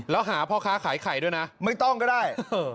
แล้วหาพ่อค้าขายไข่ด้วยนะไม่ต้องก็ได้